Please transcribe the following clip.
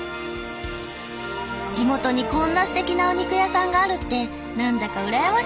地元にこんなすてきなお肉屋さんがあるって何だかうらやましいです。